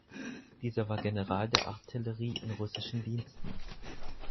Dieser war General der Artillerie in russischen Diensten.